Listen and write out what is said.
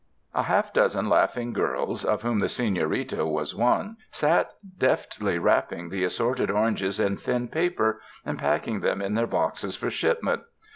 A half dozen laughing girls, of whom the senorita was one, sat deftly wrapping the assorted oranges in thin paper and packing them in their boxes for shipment.